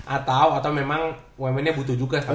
atau memang wemennya butuh juga